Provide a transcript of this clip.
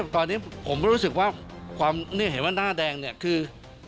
ตอนนี้ผมก็รู้สึกว่าความเห็นว่าหน้าแดงเนี่ยคือ